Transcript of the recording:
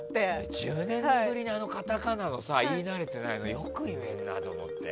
１０年ぶりにあのカタカナを言い慣れてないのによく言えるなと思って。